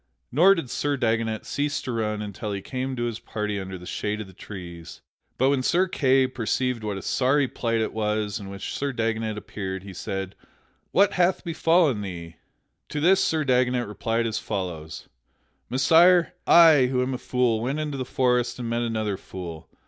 Nor did Sir Dagonet cease to run until he came to his party under the shade of the trees. But when Sir Kay perceived what a sorry plight it was in which Sir Dagonet appeared, he said, "What hath befallen thee?" To this Sir Dagonet replied as follows: "Messire, I, who am a fool, went into the forest and met another fool.